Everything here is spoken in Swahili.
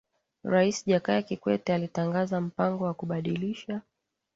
rais Jakaya Kikwete alitangaza mpango wa kubadilisha